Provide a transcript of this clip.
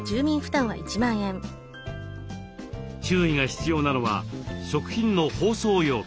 注意が必要なのは食品の包装容器。